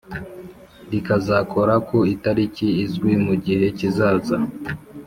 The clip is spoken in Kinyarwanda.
rikazakora ku itariki izwi mu gihe kizaza